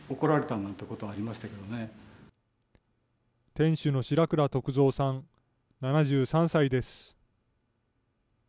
店主の白倉徳三さん７３歳です。